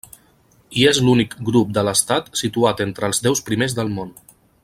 I és l'únic grup de l'Estat situat entre els deu primers del món.